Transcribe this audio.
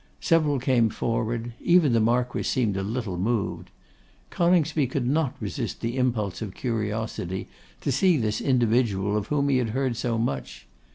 Several came forward: even the Marquess seemed a little moved. Coningsby could not resist the impulse of curiosity to see this individual of whom he had heard so much.